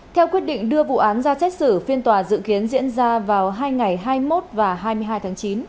theo quyết định đưa vụ án ra xét xử phiên tòa dự kiến diễn ra vào hai ngày hai mươi một và hai mươi hai tháng chín